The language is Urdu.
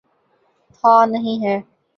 تھا، نہیں ہے۔